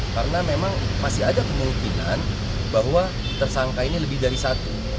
karena memang masih ada kemungkinan bahwa tersangka ini lebih dari satu